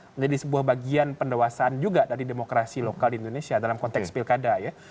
menjadi sebuah bagian pendewasaan juga dari demokrasi lokal di indonesia dalam konteks pilkada ya